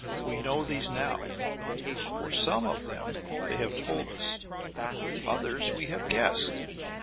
We know these now, for some of them they have told us; others we have guessed.